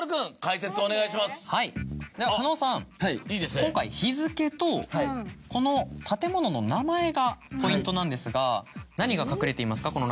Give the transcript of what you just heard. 今回日付とこの建物の名前がポイントなんですが何が隠れていますか？